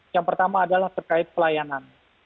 yang pertama adalah terkait pelayanan